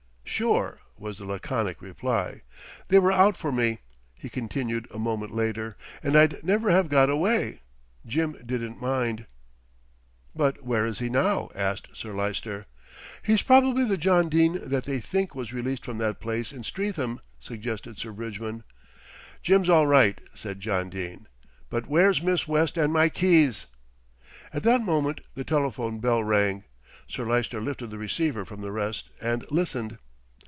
"Sure," was the laconic reply. "They were out for me," he continued a moment later, "and I'd never have got away. Jim didn't mind." "But where is he now?" asked Sir Lyster. "He's probably the John Dene that they think was released from that place in Streatham," suggested Sir Bridgman. "Jim's all right," said John Dene, "but where's Miss West and my keys?" At that moment the telephone bell rang. Sir Lyster lifted the receiver from the rest and listened.